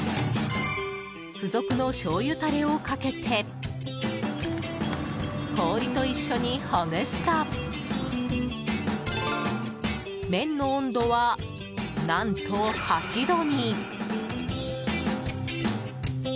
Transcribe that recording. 付属のしょうゆタレをかけて氷と一緒にほぐすと麺の温度は、何と８度に。